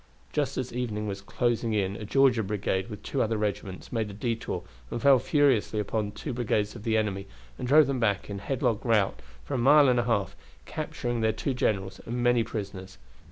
Just as evening was closing in a Georgia brigade, with two other regiments, made a detour, and fell furiously upon two brigades of the enemy, and drove them back in headlong rout for a mile and a half, capturing their two generals and many prisoners.